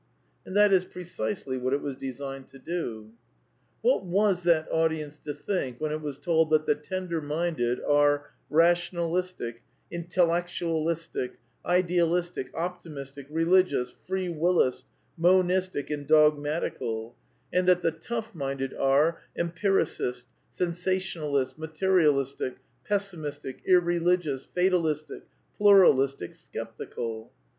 ^ And that is precisely what it was designed to do. What was that audience to think when it was told that the tender minded are : Bationalistic, intellectualistic, idealistic, optimistic, religious, free willist, monistic and dogmatical ; and that the Tough minded are : Empiricist, sensationalist, materialistic, pessimistic, irreligious, fatal istic, pluralistic, sceptical